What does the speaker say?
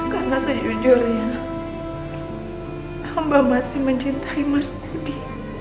karena sejujurnya amba masih mencintai mas kudi